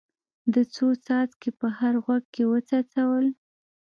ده څو څاڅکي په هر غوږ کې وڅڅول.